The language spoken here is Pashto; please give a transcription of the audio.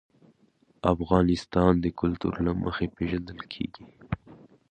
افغانستان د کلتور له مخې پېژندل کېږي.